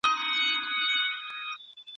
کمپيوټر کور ښايسته کوي.